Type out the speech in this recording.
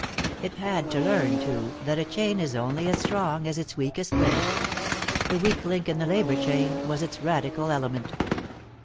It had to learn, too, that a chain is only as strong as its weakest link. The weak link in the labor chain was its Radical element.